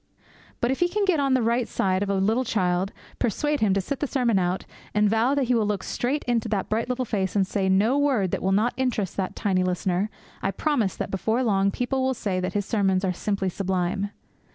But if he can get on the right side of a little child, persuade him to sit the sermon out, and vow that he will look straight into that bright little face, and say no word that will not interest that tiny listener, I promise him that before long people will say that his sermons are simply sublime.